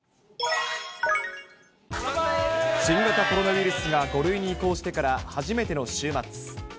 新型コロナウイルスが５類に移行してから初めての週末。